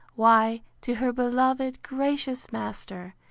—Why, to her beloved, gracious master!